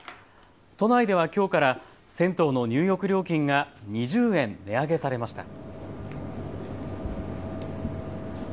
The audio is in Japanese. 都内ではきょうから銭湯の入浴料金が２０円値上げされました。